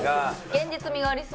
現実味がありそう。